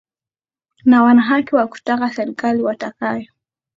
na wanahaki ya kutaka serikali watakayo